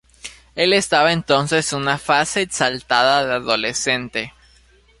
Él estaba entonces en una "fase exaltada de adolescente".